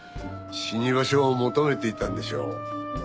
死に場所を求めていたんでしょう。